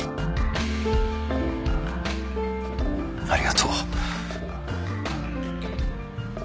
ありがとう。